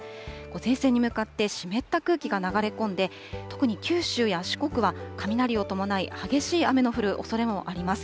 前線に向かって湿った空気が流れ込んで、特に、九州や四国は雷を伴い激しい雨の降るおそれもあります。